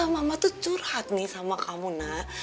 mama tuh curhat nih sama kamu nak